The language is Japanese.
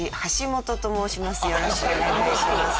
よろしくお願いします。